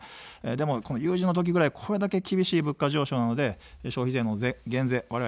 でも、有事の時ぐらい、これだけ厳しい物価上昇なので、消費税の減税、われわれ掲げています。